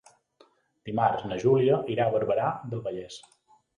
Dimarts na Júlia irà a Barberà del Vallès.